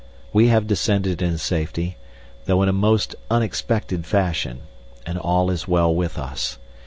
We have descended in safety, though in a most unexpected fashion, and all is well with us.